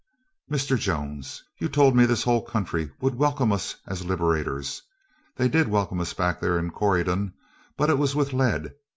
"Mr. Jones, you told me this whole country would welcome us as liberators. They did welcome us back there in Corydon, but it was with lead.